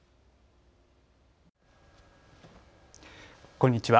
こんにちは。